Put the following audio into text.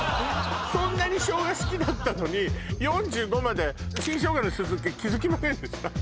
そんなに生姜好きだったのに４５まで新生姜の酢漬け気づきませんでした？